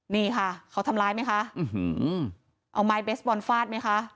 นี่ค่ะเขาทำร้ายมั้ยคะเอาไม้เบสบอนฟาดมั้ยคะ